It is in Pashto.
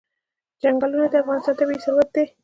چنګلونه د افغانستان طبعي ثروت دی.